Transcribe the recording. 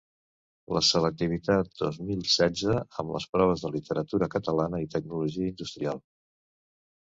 La selectivitat dos mil setze amb les proves de literatura catalana i tecnologia industrial.